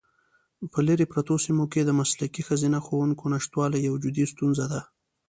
په لیرې پرتو سیمو کې د مسلکي ښځینه ښوونکو نشتوالی یوه جدي ستونزه ده.